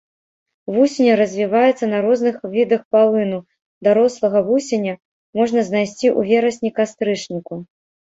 Вусень развіваецца на розных відах палыну, дарослага вусеня можна знайсці ў верасні-кастрычніку.